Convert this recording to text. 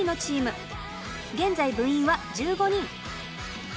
現在部員は１５人。